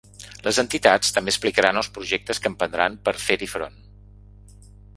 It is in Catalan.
Les entitats també explicaran els projectes que emprendran per a fer-hi front.